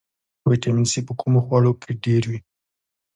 ویټامین سي په کومو خوړو کې ډیر وي